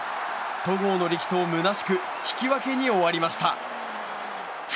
戸郷の力投むなしく引き分けに終わりました。